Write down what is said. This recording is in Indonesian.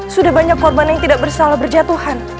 sudah banyak korban yang tidak bersalah berjatuhan